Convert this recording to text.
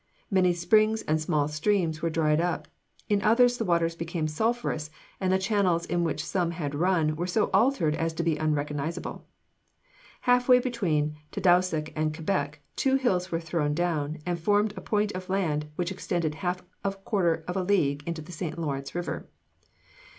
Many springs and small streams were dried up; in others the waters became sulphurous, and the channels in which some had run were so altered as to be unrecognizable. Half way between Tadousac and Quebec two hills were thrown down and formed a point of land which extended half a quarter of a league into the St. Lawrence River.